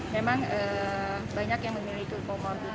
memang banyak yang memiliki comorbid